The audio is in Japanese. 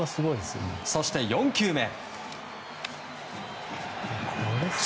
そして４球目。